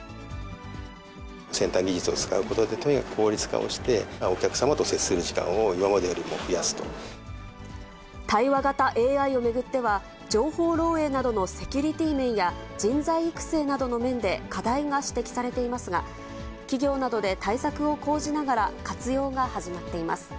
先端技術を使うことで、とにかく効率化をして、お客様と接する時間を今までよりも増やす対話型ＡＩを巡っては、情報漏えいなどのセキュリティー面や、人材育成などの面で課題が指摘されていますが、企業などで対策を講じながら、活用が始まっています。